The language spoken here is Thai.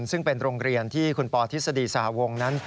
ซึ่งเป็นโรงเรียนที่คุณปทฤษฎีสหวงนั้น